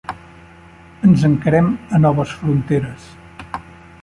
Ens encarem a noves fronteres.